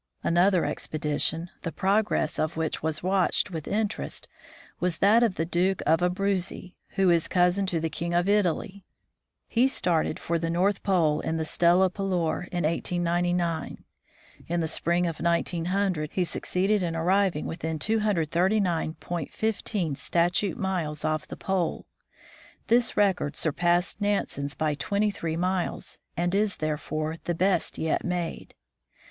Another expedition, the progress of which was watched with interest, was that of the Duke of Abruzzi, who is cousin to the king of Italy. He started for the North Pole in the Stella Polare, in 1899. In the spring of 1900, he succeeded in arriving within 239.15 statute miles of the pole. This record surpassed Nansen's by twenty three miles, and is, therefore, the best yet made.